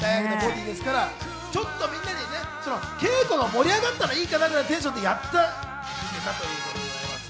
ちょっとみんなに稽古が盛り上がったらいいかなぐらいのテンションでやったんだそうです。